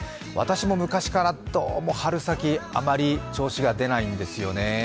私も昔からどうも春先、あまり調子が出ないんですよね。